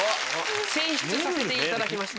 選出させていただきました。